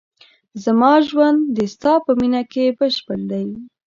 زما ژوند د ستا په مینه کې بشپړ دی.